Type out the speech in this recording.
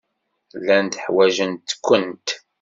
Llant ḥwajent-kent.